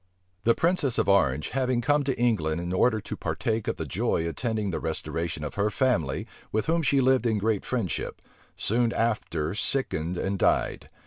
The princess of Orange, having come to England in order to partake of the joy attending the restoration of her family, with whom she lived in great friendship, soon after sickened and died.